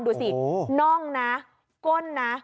ดูสิน่องนะก้นนะ